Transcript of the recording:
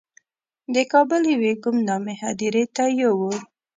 د کابل یوې ګمنامې هدیرې ته یې یووړ.